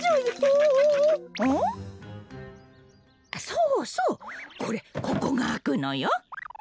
そうそうこれここがあくのよ。